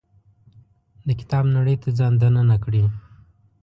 د کتاب نړۍ ته ځان دننه کړي.